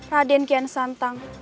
raden kian santang